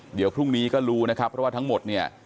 เดี๋ยวพรุ่งนี้ก็รู้นะครับเพราะว่าทั้งหมดเนี่ย